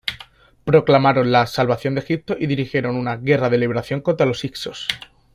Proclamaron la "salvación de Egipto" y dirigieron una "guerra de liberación" contra los hicsos.